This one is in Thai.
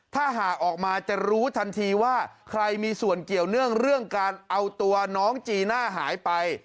ถ้าหากออกมาจะรู้ทันทีว่าใครมีส่วนเกี่ยวเนื่องเรื่องการเอาตัวน้องจีน่าหายไป